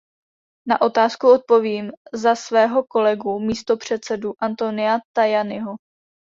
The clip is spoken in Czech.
Na otázku odpovím za svého kolegu, místopředsedu Antonia Tajaniho.